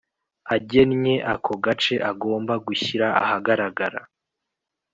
Agennye ako gace agomba gushyira ahagaragara